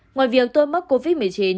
ngoài việc tôi mất covid một mươi chín